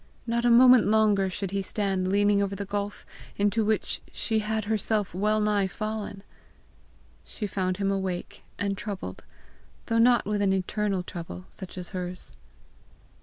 Not a moment longer should he stand leaning over the gulf into which she had herself well nigh fallen! She found him awake, and troubled, though not with an eternal trouble such as hers.